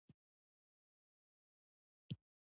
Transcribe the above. دریمه برخه د تجربوي لیکنې په وسیله ده.